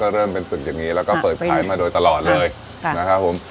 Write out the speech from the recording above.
เริ่มเป็นตึกอย่างนี้แล้วก็เปิดขายมาโดยตลอดเลยนะครับผม